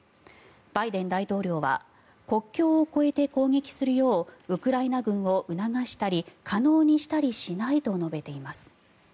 バイデン大統領は国境を越えて攻撃するようウクライナ軍を促したり可能にしたりしないと述べています。